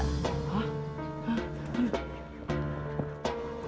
dia pergi ke sana untuk menyelamatkan bahula